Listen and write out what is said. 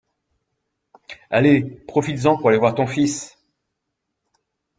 Allez, profites-en pour aller voir ton fils.